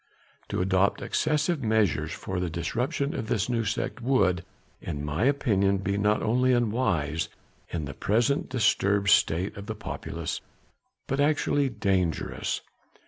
To adopt excessive measures for the disruption of this new sect would, in my opinion, be not only unwise in the present disturbed state of the populace, but actually dangerous.